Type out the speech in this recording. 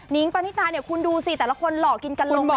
นิ้งปานที่ตาเนี่ยคุณดูสิแต่ละคนหลอกินกันลงไหมล่ะ